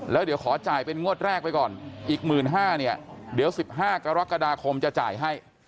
แล้วเดี๋ยวขอจ่ายเป็นงวดแรกไปก่อนอีก๑๕๐๐เนี่ยเดี๋ยว๑๕กรกฎาคมจะจ่ายให้